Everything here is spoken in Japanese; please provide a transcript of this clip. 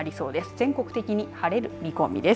全国的に晴れる見込みです。